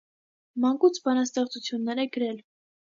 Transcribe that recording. Մանկուց բանաստեղծություններ է գրել։